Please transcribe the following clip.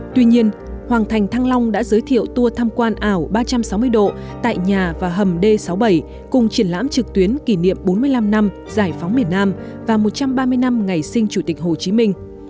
tuy nhiên hoàng thành thăng long đã giới thiệu tour tham quan ảo ba trăm sáu mươi độ tại nhà và hầm d sáu mươi bảy cùng triển lãm trực tuyến kỷ niệm bốn mươi năm năm giải phóng miền nam và một trăm ba mươi năm ngày sinh chủ tịch hồ chí minh